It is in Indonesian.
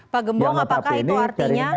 pak gembong apakah itu artinya